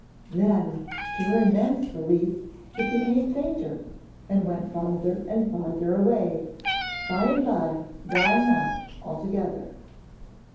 Then, to her immense relief, it became fainter, and went farther and farther away, by and bye dying out altogether.